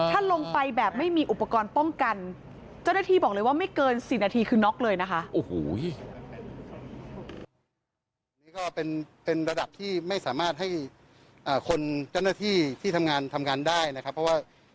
ถ้าลงไปแบบไม่มีอุปกรณ์ป้องกันเจ้าหน้าที่บอกเลยว่าไม่เกิน๔นาทีคือน็อกเลยนะคะ